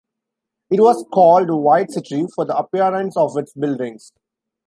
It was called the "White City" for the appearance of its buildings.